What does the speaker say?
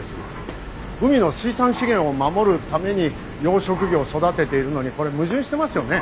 海の水産資源を守るために養殖魚を育てているのにこれ矛盾してますよね？